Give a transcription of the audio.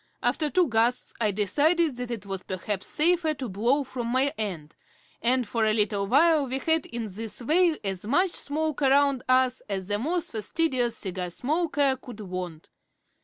After two gusts I decided that it was perhaps safer to blow from my end, and for a little while we had in this way as much smoke around us as the most fastidious cigar smoker could want.